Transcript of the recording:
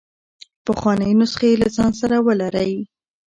پخوانۍ نسخې له ځان سره ولرئ.